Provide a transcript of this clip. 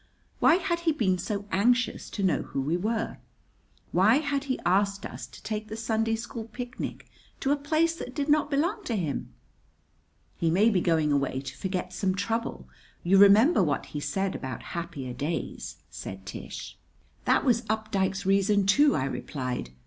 Why had he been so anxious to know who we were? Why, had he asked us to take the Sunday school picnic to a place that did not belong to him? "He may be going away to forget some trouble. You remember what he said about happier days," said Tish. "That was Updike's reason too," I relied.